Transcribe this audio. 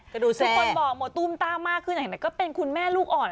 ทุกคนบอกตุ้มตามากขึ้นแต่เนี่ยก็เป็นคุณแม่ลูกอ่อน